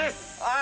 あ！